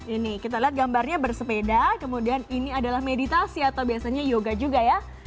ini kita lihat gambarnya bersepeda kemudian ini adalah meditasi atau biasanya yoga juga ya